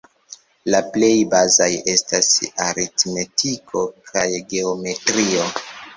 La plej bazaj estas aritmetiko kaj geometrio.